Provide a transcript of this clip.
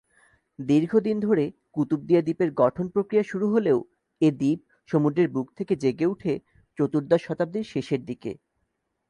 দীর্ঘদিন ধরে কুতুবদিয়া দ্বীপের গঠন প্রক্রিয়া শুরু হলেও এ দ্বীপ সমুদ্রের বুক থেকে জেগে উঠে চতুর্দশ শতাব্দীর শেষের দিকে।